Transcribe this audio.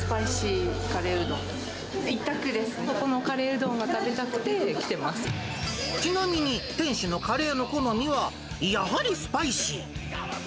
ここのカレーうどんが食べたちなみに、店主のカレーの好みは、やはりスパイシー。